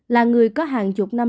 là người có hàng chục năm